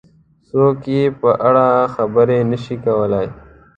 څوک یې په اړه خبرې نه شي کولای.